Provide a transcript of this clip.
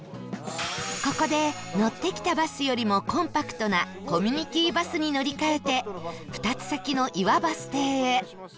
ここで乗ってきたバスよりもコンパクトなコミュニティバスに乗り換えて２つ先の岩バス停へ